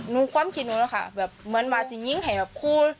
ความคิดหนูนะคะแบบเหมือนมาจะยิงให้แบบคู่